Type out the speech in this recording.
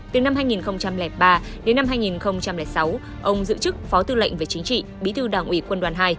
từ năm hai nghìn ba đến năm hai nghìn sáu ông dự chức phó tư lệnh về chính trị bí thư đảng ủy quân đoàn hai